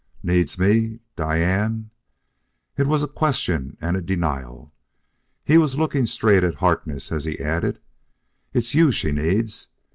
"Needs me? Diane?" It was a question and a denial. He was looking straight at Harkness as he added: "It's you she needs....